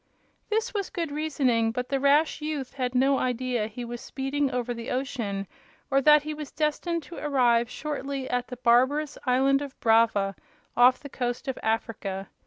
This was good reasoning, but the rash youth had no idea he was speeding over the ocean, or that he was destined to arrive shortly at the barbarous island of Brava, off the coast of Africa.